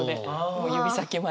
もう指先まで。